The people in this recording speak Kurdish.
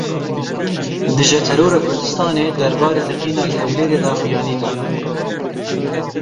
Dije Terora Kurdistanê derbarê teqîna li Hewlêrê daxuyanî da.